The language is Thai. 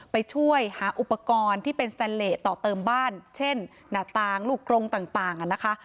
ไปช่วยหาอุปกรณ์ที่เป็นสแตนเลสต่อเติมบ้านเช่นหน้าต่างลูกกรงต่างนะคะ